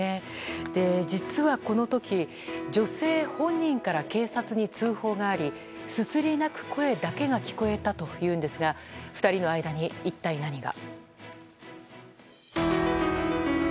実はこの時女性本人から警察に通報がありすすり泣く声だけが聞こえたというんですが２人の間に、一体何が。